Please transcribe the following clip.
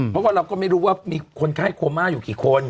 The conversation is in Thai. เพราะว่าเราก็ไม่รู้ว่ามีคนไข้โคม่าอยู่กี่คน